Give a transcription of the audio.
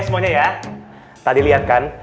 semuanya ya tadi lihat kan